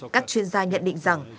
các chuyên gia nhận định rằng